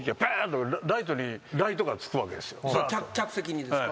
それ客席にですか？